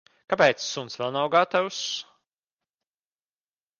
Kāpēc suns vēl nav gatavs?